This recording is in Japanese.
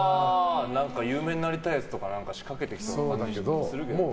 有名になりたいやつとか仕掛けてきそうな気がするけどね。